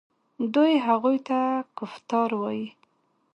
دوی هغوی ته کفتار وايي.